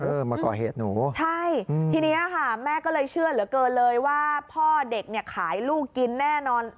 มาก่อเหตุหนูใช่ทีนี้ค่ะแม่ก็เลยเชื่อเหลือเกินเลยว่าพ่อเด็กเนี่ยขายลูกกินแน่นอน